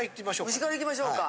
蒸しからいきましょうか。